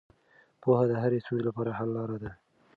پوهه د هرې ستونزې لپاره حل لاره ده.